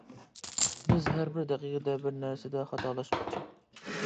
بىز ھەربىر دەقىقىدە بىر نەرسىدە خاتالاشقۇچى.